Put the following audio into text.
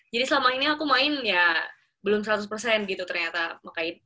jadi selama ini aku main ya belum seratus gitu ternyata